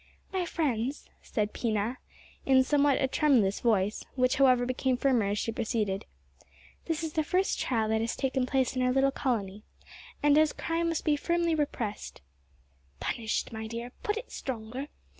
"My friends," said Pina, in a somewhat tremulous voice, which however became firmer as she proceeded, "this is the first trial that has taken place in our little colony, and as crime must be firmly repressed " ("Punished, my dear putt it stronger!"